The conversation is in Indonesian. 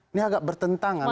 ini agak bertentangan